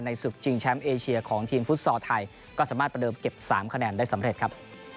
ศึกชิงแชมป์เอเชียของทีมฟุตซอลไทยก็สามารถประเดิมเก็บ๓คะแนนได้สำเร็จครับ